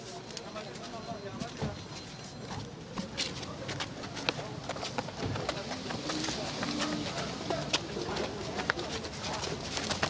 pemeriksaan terkait lima belas telepon genggam disebutkan telah selesai diperiksa dan lima lainnya masih dalam tahap proses